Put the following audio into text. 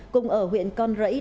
cùng ở huyện con rẫy